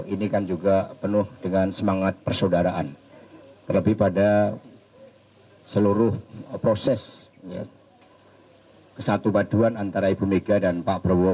ini kan juga penuh dengan semangat persaudaraan terlebih pada seluruh proses kesatupaduan antara ibu megawati soekarno putri dan pak prabowo